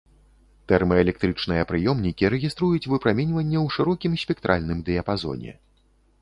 Тэрмаэлектрычныя прыёмнікі рэгіструюць выпраменьванне ў шырокім спектральным дыяпазоне.